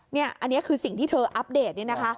นี่อันนี้คือสิ่งที่เธออัปเดตนี่นะคะ